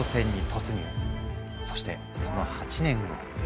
そしてその８年後。